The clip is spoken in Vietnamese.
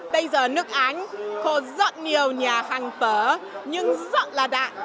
bây giờ nước áng có rất nhiều nhà hàng phở nhưng rất là đạn